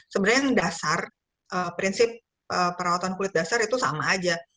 sebenarnya yang dasar prinsip perawatan kulit dasar itu sama aja